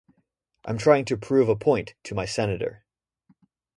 I'm trying to prove a point to my senator.